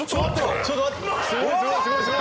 ちょっと待ってくれ。